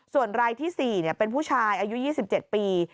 ส่วนรายที่๔เป็นผู้ชายอายุ๒๗ปี